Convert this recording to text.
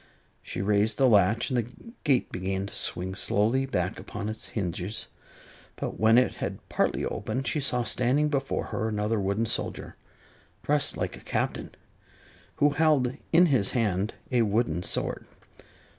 She raised the latch and the gate began to swing slowly back upon its hinges; but when it had partly opened, she saw standing before her another wooden soldier, dressed like a Captain, who held in his hand a wooden sword.